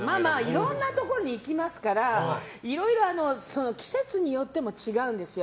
いろんなところに行きますから季節によっても違うんですよ。